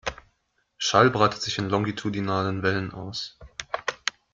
Schall breitet sich in longitudinalen Wellen aus.